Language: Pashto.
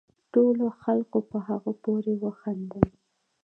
ټولو خلقو په هغه پورې وخاندل